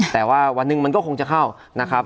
แต่ว่าวันหนึ่งมันก็คงจะเข้านะครับ